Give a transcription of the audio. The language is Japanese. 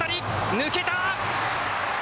抜けた。